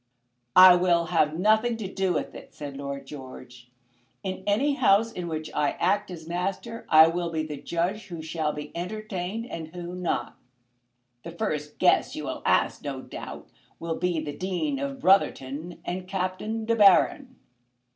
"I will have nothing to do with it," said Lord George. "In any house in which I act as master I will be the judge who shall be entertained and who not." "The first guests you will ask, no doubt, will be the Dean of Brotherton and Captain De Baron."